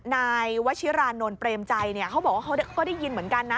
นายวชิรานนท์เปรมใจเนี่ยเขาบอกว่าเขาก็ได้ยินเหมือนกันนะ